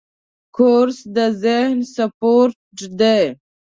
کورس د ذهن سپورټ دی.